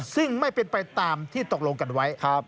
ซึ่งไม่เป็นไปตามที่ตกลงกันไว้